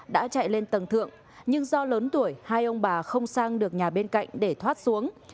đã chạy lên tầng thượng nhưng do lớn tuổi hai ông bà không sang được nhà bên cạnh để thoát xuống